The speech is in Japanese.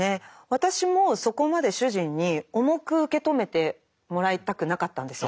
私もそこまで主人に重く受け止めてもらいたくなかったんですよ。